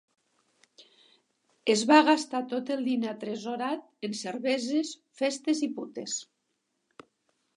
Es va gastar tot el diner atresorat en cerveses, festes i putes.